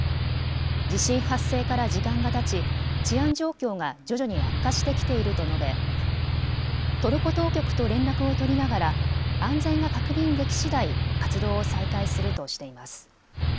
地震発生から時間がたち治安状況が徐々に悪化してきていると述べトルコ当局と連絡を取りながら安全が確認できしだい活動を再開するとしています。